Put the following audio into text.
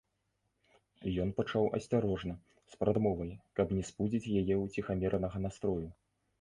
Ён пачаў асцярожна, з прадмовай, каб не спудзіць яе ўціхаміранага настрою.